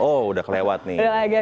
oh udah kelewat nih